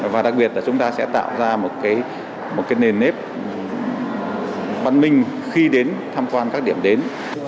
và đặc biệt là chúng ta sẽ tạo ra một nền nếp văn minh khi đến tham quan các điểm đến